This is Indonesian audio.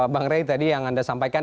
bang ray tadi yang anda sampaikan